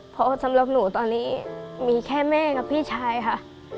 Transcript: เพราะสำหรับหนูตอนนี้มีแค่แม่กับพี่ชายค่ะ